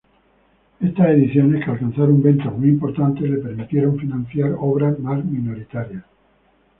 Estas ediciones, que alcanzaron ventas muy importantes, le permitieron financiar obras más minoritarias.